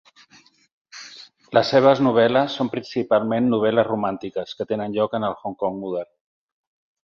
Les seves novel·les són principalment novel·les romàntiques que tenen lloc en el Hong Kong modern.